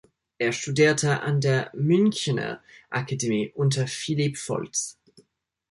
Er studierte an der Münchener Akademie unter Philipp Foltz.